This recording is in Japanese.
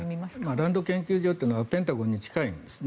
ランド研究所というのはペンタゴンに近いんですね。